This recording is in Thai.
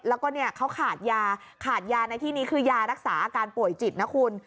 แล้วก็เขาขาดยาขาดยาในที่นี้คือยารักษาอาการป่วยจิตนะคุณ